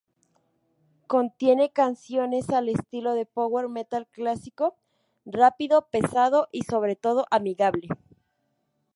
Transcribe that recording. Contiene canciones al estilo de Power metal Clásico, rápido, pesado, y sobre todo amigable.